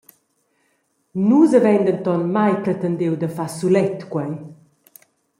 Nus havein denton mai pretendiu da far sulet quei.